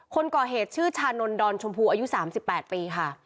คนก่อเหตุชื่อชานนดอนชมพูอายุ๓๘ปีค่ะ